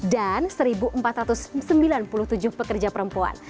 dan satu empat ratus sembilan puluh tujuh pekerja perempuan